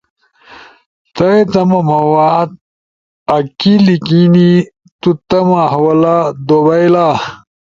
تھئی تمو مواد اکی لیکینی تو تمو حوالہ دو بئیلا۔